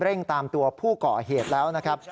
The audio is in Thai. เร่งตามตัวผู้เกาะเหตุแล้วนะครับ